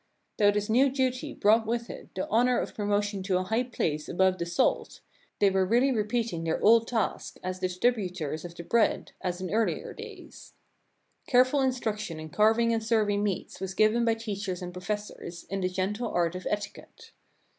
Though this new duty brought with it the honor of promotion to a high place above the salt, they were really repeating their old task as distributors of the bread, as in earlier days. Careful instruction in carving and serving meats was given by teachers and professors in the gentle art of etiquette.